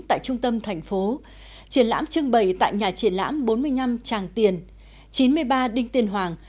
tại trung tâm thành phố triển lãm trưng bày tại nhà triển lãm bốn mươi năm tràng tiền chín mươi ba đinh tiên hoàng